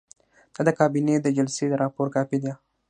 دا د کابینې د جلسې د راپور کاپي ده.